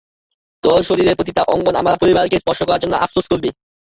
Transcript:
তোর শরীরের প্রতিটা অঙ্গ, আমার পরিবারকে স্পর্শ করার জন্য আফসোস করবে।